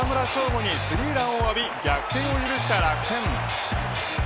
吾にスリーランを浴び逆転を許した楽天。